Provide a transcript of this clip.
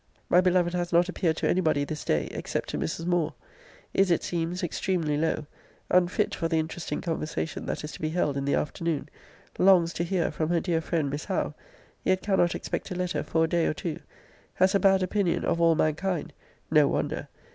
My beloved has not appeared to any body this day, except to Mrs. Moore. Is, it seems, extremely low: unfit for the interesting conversation that is to be held in the afternoon. Longs to hear from her dear friend Miss Howe yet cannot expect a letter for a day or two. Has a bad opinion of all mankind. No wonder!